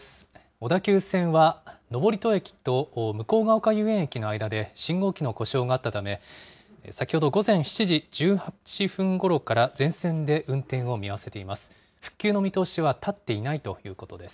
小田急線は登戸駅と向ヶ丘遊園駅の間で信号機の故障があったため、先ほど午前７時１８分ごろから、全線で運転を見合わせています。